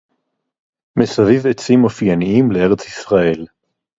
מסביב עצים אופיינים לארץ ישראל.